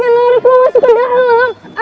nggak narik lo masuk ke dalam